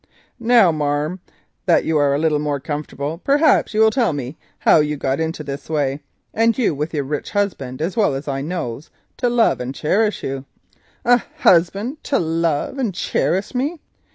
"Now, marm, that you are a little more comfortable, perhaps you will tell me how as you got into this way, and you with a rich husband, as I well knows, to love and cherish you." "A husband to love and cherish me?"